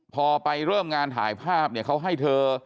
พอไปเริ่มงานถ่ายภาพเนี่ยเขาให้เธอ